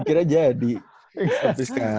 gue kira jadi sampai sekarang